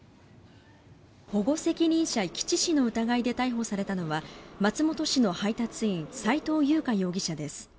保護責任者遺棄致死の疑いで逮捕されたのは松本市の配達員斉藤優花容疑者です。